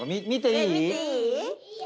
いいよ。